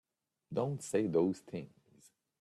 Don't say those things!